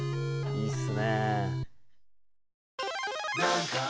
いいっすね。